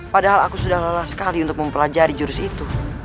padahal aku sudah lelah sekali untuk mempelajari jurus itu